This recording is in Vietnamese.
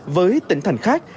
với tỉnh thành khác